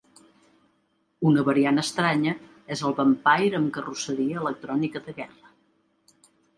Una variant estranya és el Vampire amb carrosseria electrònica de guerra.